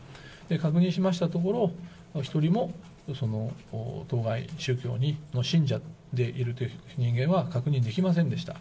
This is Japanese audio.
確認しましたところ、一人もその当該宗教の信者でいるという人間は確認できませんでした。